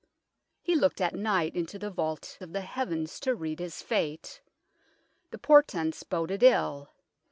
He looked at night into the vault of the heavens to read his fate. The portents boded ill.